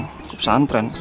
saya ke pesantren